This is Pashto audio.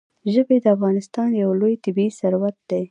ژبې د افغانستان یو لوی طبعي ثروت دی.